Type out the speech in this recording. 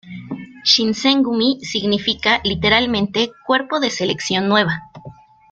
Shinsengumi significa literalmente "Cuerpo de selección nueva".